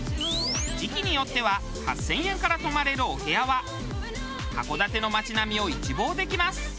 時期によっては８０００円から泊まれるお部屋は函館の街並みを一望できます。